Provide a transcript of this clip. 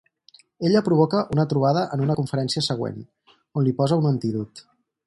Ella provoca una trobada en una conferència següent, on li posa un antídot.